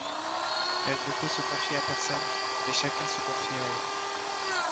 Elle ne peut se confier à personne, mais chacun se confie à elle.